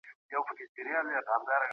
خپل دښمن په نیکۍ مات کړئ.